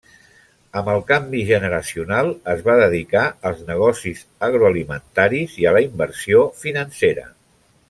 Amb el canvi generacional es va dedicar als negocis agroalimentaris i a la inversió financera.